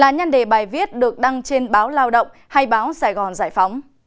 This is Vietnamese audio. nhân đề bài viết được đăng trên báo lao động hay báo sài gòn giải phóng